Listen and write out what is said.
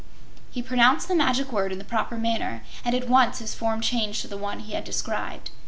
He pronounced the magic word in the proper manner and at once his form changed to the one he had described.